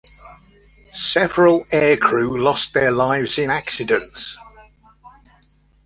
Several air crew lost their lives in accidents.